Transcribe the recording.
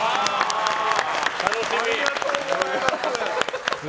ありがとうございます。